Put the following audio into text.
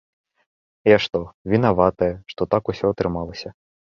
Я што, вінаватая, што так усё атрымалася?